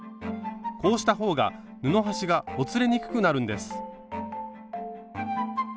こうした方が布端がほつれにくくなるんです。